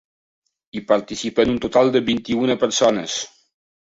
Hi participen un total de vint-i-una persones.